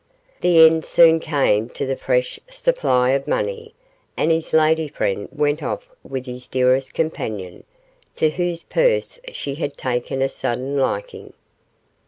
The end soon came to the fresh supply of money, and his lady friend went off with his dearest companion, to whose purse she had taken a sudden liking.